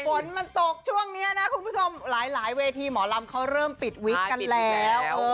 ฝนมันตกช่วงนี้นะคุณผู้ชมหลายเวทีหมอลำเขาเริ่มปิดวิกกันแล้ว